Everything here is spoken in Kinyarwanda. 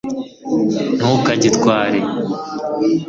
ntukagitware